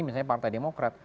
misalnya partai demokrat